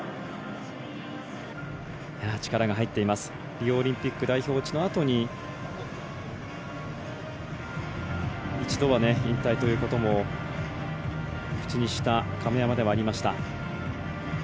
リオオリンピック代表落ちのあとに一度は引退ということも口にした亀山ではありました。